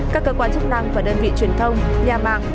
các cơ quan chức năng và đơn vị truyền thông nhà màng